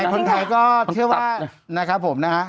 คนไทยก็เชื่อว่านะครับผมนะฮะ